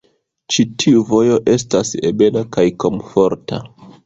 Ĉi tiu vojo estas ebena kaj komforta.